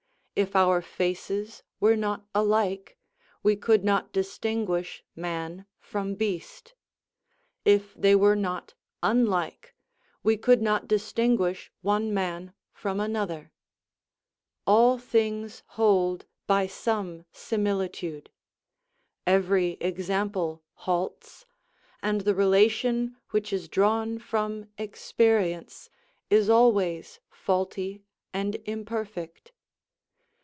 If our faces were not alike, we could not distinguish man from beast; if they were not unlike, we could not distinguish one man from another; all things hold by some similitude; every example halts, and the relation which is drawn from experience is always faulty and imperfect.